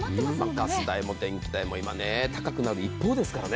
ガス代も電気代も、今、高くなる一方ですからね。